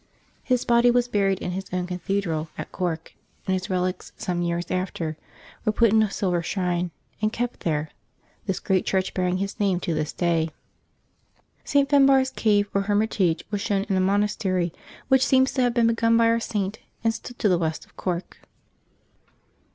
His body was buried in his own cathedral at Cork, and his relics, some years after, were put in a silver shrine, and kept there, this great church bearing his name to this day. St. Finbarr's cave or her mitage was shown in a monastery which seems to have been begun by our Saint, and stood to the west of Cork.